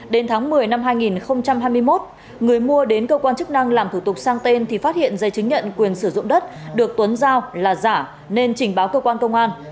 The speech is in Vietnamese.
đến tháng một mươi năm hai nghìn hai mươi một người mua đến cơ quan chức năng làm thủ tục sang tên thì phát hiện giấy chứng nhận quyền sử dụng đất được tuấn giao là giả nên trình báo cơ quan công an